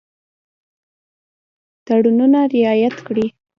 تړونونه رعایت کړي.